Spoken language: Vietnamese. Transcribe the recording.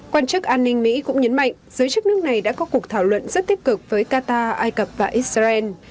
quan chức an ninh mỹ cũng nhấn mạnh giới chức nước này đã có cuộc thảo luận rất tích cực với qatar ai cập và israel